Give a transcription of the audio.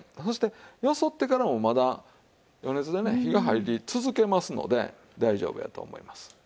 そしてよそってからもまだ余熱でね火が入り続けますので大丈夫やと思います。